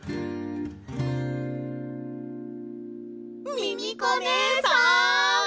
ミミコねえさん。